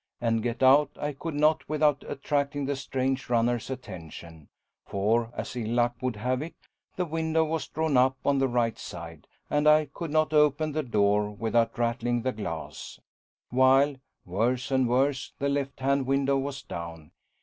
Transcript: And get out I could not without attracting the strange runner's attention, for as ill luck would have it, the window was drawn up on the right side, and I could not open the door without rattling the glass. While, worse and worse, the left hand window was down!